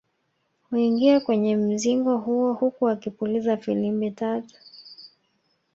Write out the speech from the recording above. Huingia kwenye mzingo huo huku akipuliza filimbi tatu